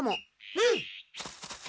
うん！